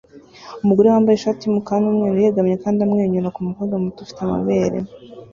Umugore wambaye ishati yumukara numweru yegamye kandi amwenyura kumukobwa muto ufite amabere